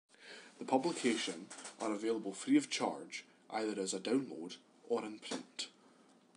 The publication are available free of charge, either as a download or in print.